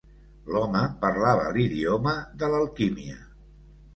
L'home parlava l'idioma de l'alquímia.